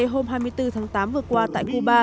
hôm hai mươi bốn tháng tám vừa qua tại cuba